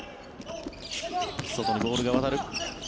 外にボールが渡る。